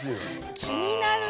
気になる。